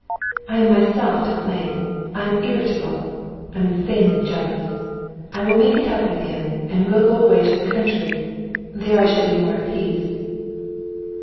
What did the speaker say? "I am myself to blame. I'm irritable, I'm insanely jealous. I will make it up with him, and we'll go away to the country; there I shall be more at peace."